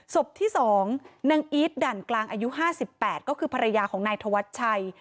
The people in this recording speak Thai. ศพที่๒นางอีทดั่นกลางอายุ๕๘ก็คือภรรยาของนายธวัชชัย